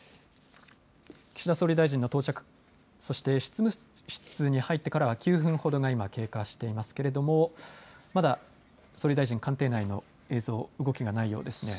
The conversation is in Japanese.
岸田総理大臣の到着そして執務室に入ってから９分ほどが今経過していますけれどもまだ総理大臣官邸内の映像、動きがないようですね。